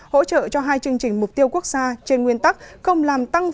hỗ trợ cho hai chương trình mục tiêu quốc gia trên nguyên tắc không làm tăng